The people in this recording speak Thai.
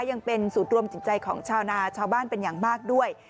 ยังเป็นสูตรรวมจิตใจของชาวนาชาวบ้านเป็นอย่างมากด้วย